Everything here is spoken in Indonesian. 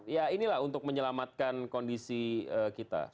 ya inilah untuk menyelamatkan kondisi kita